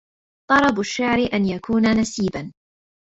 طرب الشعر أن يكون نسيبا